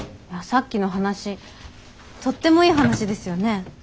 さっきの話とってもいい話ですよね？